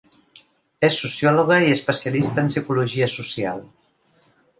És sociòloga i especialista en psicologia social.